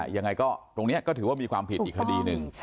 ยังไงก็ตรงนี้ก็ถือว่ามีความผิดอีกคดีหนึ่ง